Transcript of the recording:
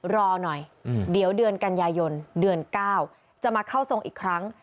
รอหน่อยเดี๋ยวเดือนกันยายนเดือน๙จะมาเข้าทรงอีกครั้ง